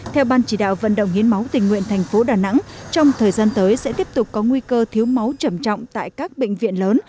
theo ban chỉ đạo vận động hiến máu tình nguyện thành phố đà nẵng trong thời gian tới sẽ tiếp tục có nguy cơ thiếu máu trầm trọng tại các bệnh viện lớn